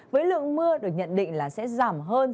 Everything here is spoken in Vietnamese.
với lượng mưa được nhận định là sẽ giảm hơn